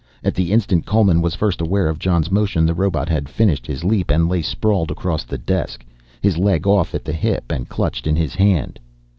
At the instant Coleman was first aware of Jon's motion, the robot had finished his leap and lay sprawled across the desk, his leg off at the hip and clutched in his hand.